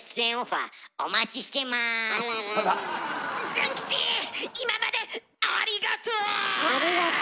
ズン吉今までありがと！